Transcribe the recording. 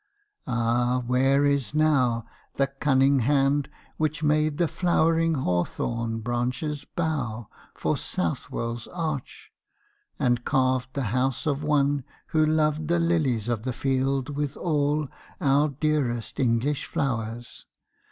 ah! where is now The cunning hand which made the flowering hawthorn branches bow For Southwell's arch, and carved the House of One Who loved the lilies of the field with all Our dearest English flowers?